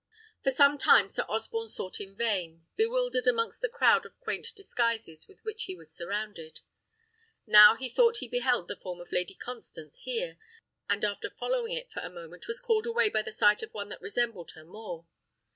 For some time Sir Osborne sought in vain, bewildered amongst the crowd of quaint disguises with which he was surrounded. Now he thought he beheld the form of Lady Constance here, and after following it for a moment was called away by the sight of one that resembled her more.